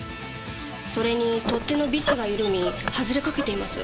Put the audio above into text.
それに取っ手のビスが緩み外れかけています。